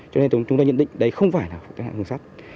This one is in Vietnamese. cho nên chúng ta nhận định đây không phải là thương tích